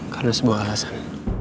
karena sebuah alasan